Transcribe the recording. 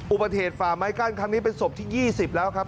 อุบัติเหตุฝ่าไม้กั้นครั้งนี้เป็นศพที่๒๐แล้วครับ